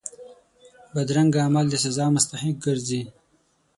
بدرنګه عمل د سزا مستحق ګرځي